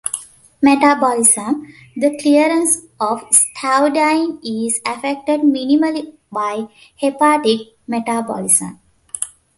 Metabolism: The clearance of stavudine is affected minimally by hepatic metabolism.